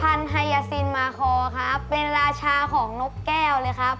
ไฮยาซินมาคอครับเป็นราชาของนกแก้วเลยครับ